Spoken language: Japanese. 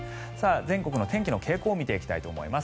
全国の天気の傾向を見ていきたいと思います。